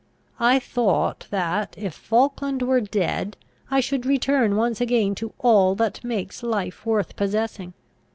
I thought that, if Falkland were dead, I should return once again to all that makes life worth possessing.